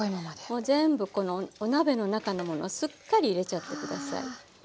もう全部このお鍋の中のものすっかり入れちゃって下さい。